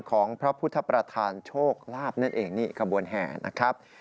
ของพระพุทธประธานโชคลาภนั่นเองนี่ขบวนแห่นะครับ